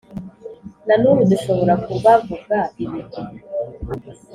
na n’ubu dushobora kubavuga ibigwi.